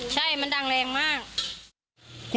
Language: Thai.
สนั่นเลยครับ